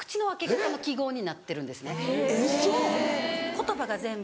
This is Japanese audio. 言葉が全部。